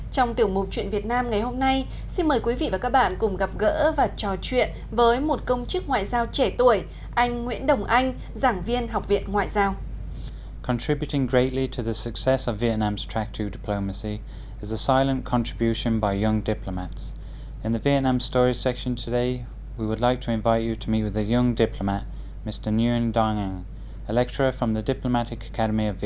trong tiểu mục chuyện việt nam ngày hôm nay xin mời quý vị và các bạn cùng gặp gỡ và trò chuyện với một công chức ngoại giao trẻ tuổi anh nguyễn đồng anh giảng viên học viện ngoại giao